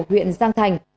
huyện giang thành